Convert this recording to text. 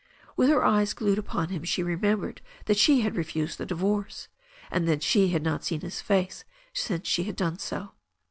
With her eyes glued upon him she remembered that she had refused the divorce, and that she had not seen his face since she had done so.